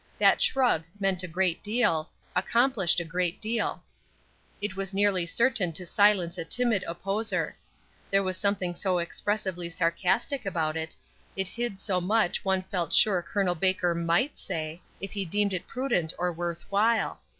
That shrug meant a great deal, accomplished a great deal. It was nearly certain to silence a timid opposer; there was something so expressively sarcastic about it; it hid so much one felt sure Col. Baker might say if he deemed it prudent or worth while.